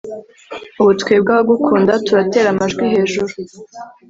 ubu twebwe abagukunda turatera amajwi hejuru ,